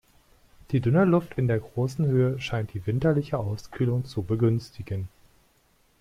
Die dünne Luft in der großen Höhe scheint die winterliche Auskühlung zu begünstigen.